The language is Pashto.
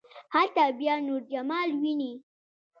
هلته بیا نور جمال ويني.